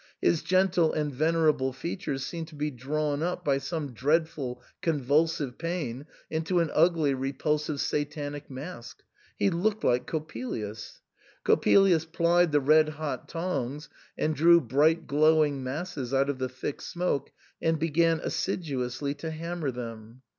His gentle and venerable features seemed to be drawn up by some dreadful convulsive pain into an ugly, repulsive Satanic mask. He looked like Cop pelius. Coppelius plied the red hot tongs and drew bright glowing masses out of the thick smoke and began assiduously to hammer them.